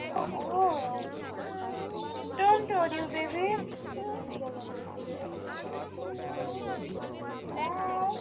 সেখানে বলা আছে, সেখানে কোনো বিচারকের আচরণ নিয়ে আলোচনা করা যাবে না।